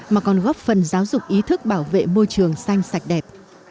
mà còn góp phần giáo dục ý thức bảo vệ môi trường xanh sạch đẹp